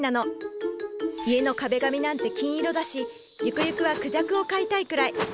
家の壁紙なんて金色だしゆくゆくは孔雀を飼いたいくらい。